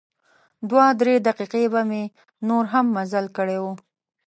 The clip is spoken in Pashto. دوه درې دقیقې به مې نور هم مزل کړی و.